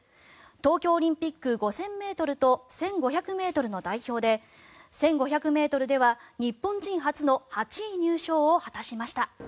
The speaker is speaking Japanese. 東京オリンピック５０００ｍと１５００ｍの代表で１５００ｍでは日本人初の８位入賞を果たしました。